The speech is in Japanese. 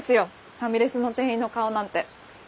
ファミレスの店員の顔なんて。